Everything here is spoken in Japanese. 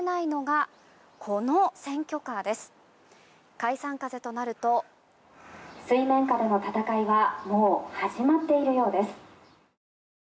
解散風となると水面下での戦いはもう、始まっているようです。